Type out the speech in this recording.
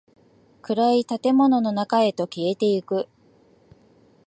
暗い建物の中へと消えていく。